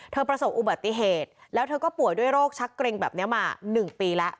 ประสบอุบัติเหตุแล้วเธอก็ป่วยด้วยโรคชักเกร็งแบบนี้มา๑ปีแล้ว